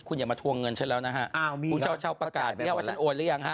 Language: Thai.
คุณอย่ำะทวงเงินฉันแล้วนะฮะคุณเช่าประกาศนะเดี่ยวว่าฉันโอนหรือยังครับ